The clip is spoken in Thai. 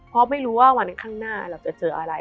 เพราะไม่รู้ว่าวันข้างหน้าเราจะเจออะไร